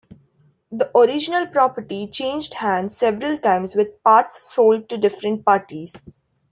The original property changed hands several times with parts sold to different parties.